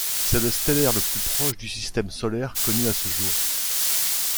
C'est le stellaire le plus proche du système solaire connu à ce jour.